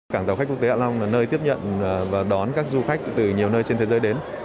cảng tàu khách quốc tế hạ long là nơi tiếp nhận và đón các du khách từ nhiều nơi trên thế giới đến